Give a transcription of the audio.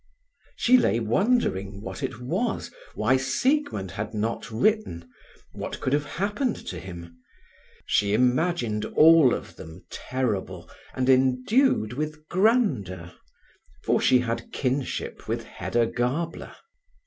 She lay wondering what it was, why Siegmund had not written, what could have happened to him. She imagined all of them terrible, and endued with grandeur, for she had kinship with Hedda Gabler.